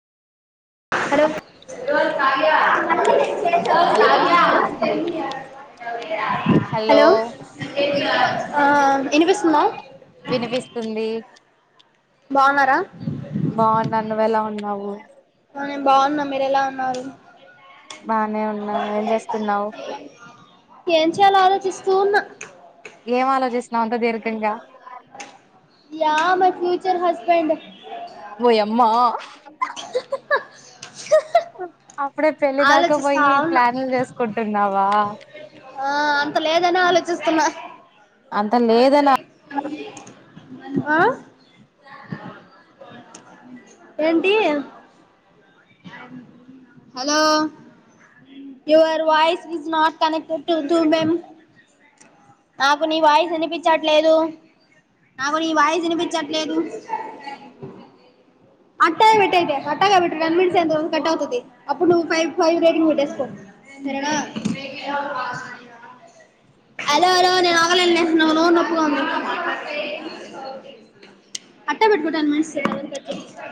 hello ర కా hello కా హలో అ ఇనిపిస్తుందా వినిపిస్తుంది బాగున్నారా బాగున్నాను నువ్వెలా ఉన్నావు ఆ, నేను బాగున్న మీరెలా ఉన్నారు బానే ఉన్నాను ఏం చేస్తున్నావు ఏం చేయాలో ఆలోచిస్ స్తూన్నా ఏం ఆలోచిస్తున్నావ్ అంత దీర్ఘంగా యా మై ఫ్యూచర్ హస్బండ్ ఓయమ్మా హ ఇప్పుడే పెళ్ళి దాకా ఆలోచిస్తా పోయి ఉన్నా ప్లాన్లు చేసుకుంటున్నావా ఆ అంత లేదని ఆలోచిస్తున్నా అంత లేదనా ఆ ఏంటి hello your voice is not connected to టూమేం నాకు నీ వాయిస్ వినిపించట్లేదు నాకు నీ వాయిస్ ఇనిపించట్లేదు అట్టాగే పెట్టేైతే అట్టగే పెట్టు టెన్ మినిట్స్ అయినతర్వాత కట్టవుతది అప్పుడు నువ్ ఫైవ్ ఫైవ్ రేటింగ్ పెట్టేసుకో సరేనా హలో హలో అని నేను ఓరల్రేనులే నాకు నోరు నొప్పిగా ఉంది అట్టా పెట్టుకుంటా